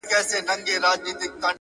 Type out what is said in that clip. غلطۍ کي مي د خپل حسن بازار مات کړی دی،